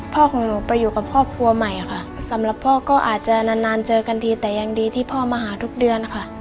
ของหนูไปอยู่กับครอบครัวใหม่ค่ะสำหรับพ่อก็อาจจะนานนานเจอกันดีแต่ยังดีที่พ่อมาหาทุกเดือนค่ะ